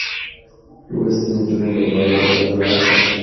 لوستې نجونې د باور فضا ساتي.